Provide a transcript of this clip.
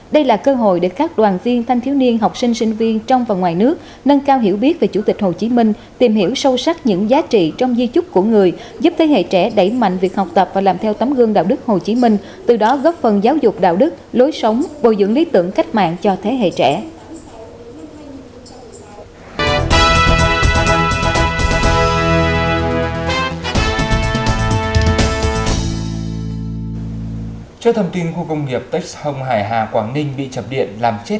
đây là cơ hội để các đoàn viên thanh thiếu niên học sinh sinh viên trong và ngoài nước nâng cao hiểu biết về chủ tịch hồ chí minh tìm hiểu sâu sắc những giá trị trong di chúc của người giúp thế hệ trẻ đẩy mạnh việc học tập và làm theo tấm gương đạo đức hồ chí minh từ đó góp phần giáo dục đạo đức lối sống bồi dưỡng lý tưởng cách mạng cho thế hệ trẻ